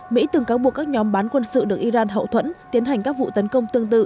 mỹ từng cáo buộc các nhóm bán quân sự được iran hậu thuẫn tiến hành các vụ tấn công tương tự